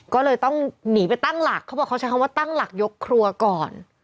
ก็เลยต้องหนีไปตั้งหลักเขาบอกเขาใช้คำว่าตั้งหลักยกครัวก่อน